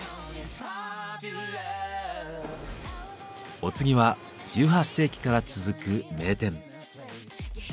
お次は１８世紀から続く名店。